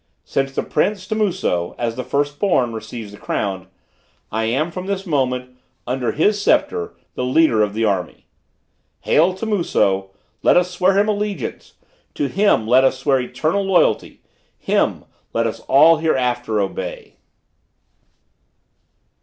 Since the prince Timuso, as the first born, receives the crown, I am, from this moment, under his sceptre, the leader of the army. "Hail, Timuso! To him let us swear allegiance! To him, let us swear eternal loyalty! Him, let us all hereafter obey!"